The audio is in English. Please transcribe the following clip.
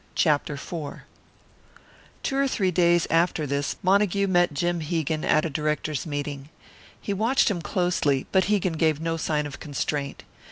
CHAPTER IV Two or three days after this Montague met Jim Hegan at a directors' meeting. He watched him closely, but Hegan gave no sign of constraint.